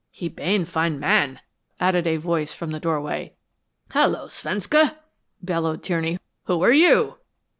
"He bane fine man," added a voice from the doorway. "Hello Svenska!" bellowed Tierney. "Who are you?"